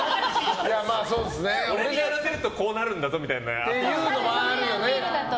俺にやらせるとこうなるんだぞみたいなアピール。